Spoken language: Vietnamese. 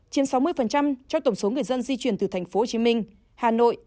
chiếm sáu mươi trong tổng số người dân di chuyển từ tp hcm hà nội